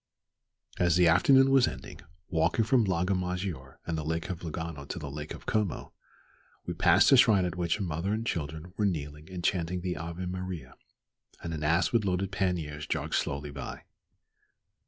As the afternoon was ending walking from Lago Maggiore and the Lake of Lugano to the Lake of Como we passed a shrine at which a mother and children were kneeling and chanting the Ave Maria, and an ass with loaded panniers jogged slowly by.